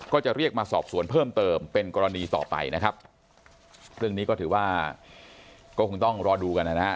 ก็จะเรียกมาสอบสวนเพิ่มเติมเป็นกรณีต่อไปนะครับเรื่องนี้ก็ถือว่าก็คงต้องรอดูกันนะฮะ